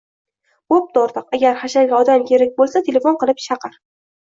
Bo‘pti o‘rtoq, agar hasharga odam kerak bo‘lsa, telefon qilib chaqir